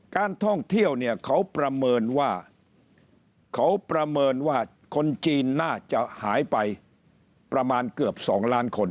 การท่องเที่ยวเขาประเมินว่าคนจีนน่าจะหายไปประมาณเกือบสองล้านคน